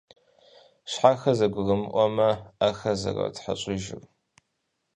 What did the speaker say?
Щхьэхэр зэгурыӀуэмэ, Ӏэхэр зэротхьэщӀыжыр.